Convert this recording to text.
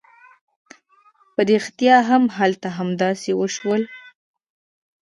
په رښتيا هم هلته همداسې وشول.